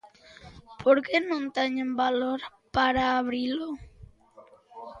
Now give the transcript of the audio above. Por que non teñen valor para abrilo?